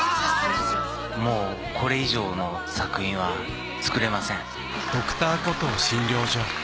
もうこれ以上の作品は作れません。